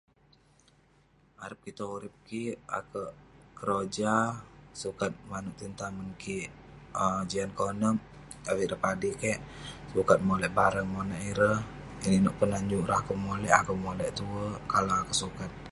Arep kik tong urip kik, akouk keroja. Sukat manouk tinen tamen kik um jian konep, avik ireh padik kek. Sukat molek barang monak ireh, inouk inouk peh nenyuk ireh akouk molek ; akouk molek tue. Kalau akouk sukat.